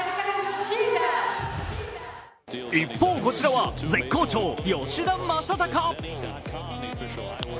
一方、こちらは絶好調、吉田正尚。